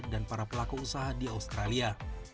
dan para pelaku usaha di australia